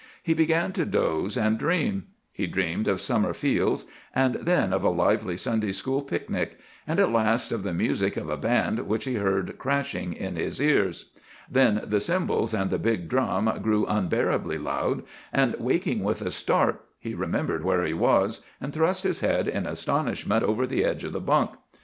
He began to doze and dream. He dreamed of summer fields, and then of a lively Sunday school picnic, and at last of the music of a band which he heard crashing in his ears. Then the cymbals and the big drum grew unbearably loud, and, waking with a start, he remembered where he was, and thrust his head in astonishment over the edge of the bunk.